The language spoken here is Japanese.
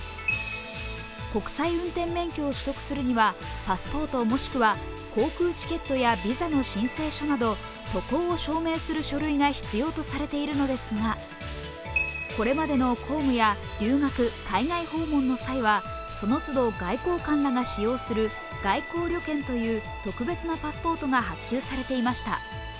国際運転免許を取得するにはパスポート、もしくは航空チケットやビザの申請書など渡航を証明する書類が必要とされているのですが、これまでの公務や留学、海外訪問の際はそのつど、外交官らが使用する外交旅券という特別なパスポートが発給されていました。